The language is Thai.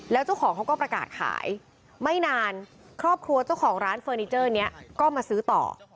แล้วเจ้าของเขาก็ประกาศขายไม่นานครอบครัวเจ้าของร้านเฟอร์นิเจอร์นี้ก็มาซื้อต่อ